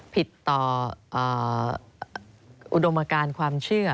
ผิดต่ออุดมการความเชื่อ